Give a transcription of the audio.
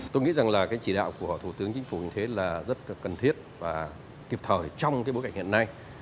tôi nghĩ rằng là cái chỉ đạo của thủ tướng chính phủ như thế là rất cần thiết và kịp thời trong bối cảnh hiện nay